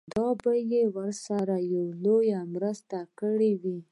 دا به يې ورسره يوه لويه مرسته کړې وي.